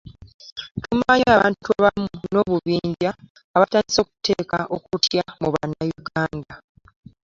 Tumanyi abantu abamu n'obubinja abatandise okuteeka okutya mu Bannayuganda